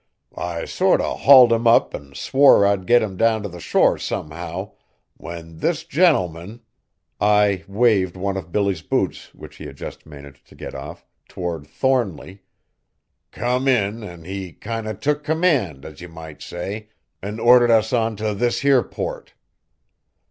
I sort o' hauled him up an' swore I'd get him down t' the shore somehow, when this gentleman," Ai waved one of Billy's boots, which he had just managed to get off, toward Thornly, "come in an' he kind o' took command, as you might say, an' ordered us on t' this here port."